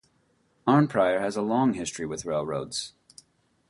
Arnprior has a long history with railroads.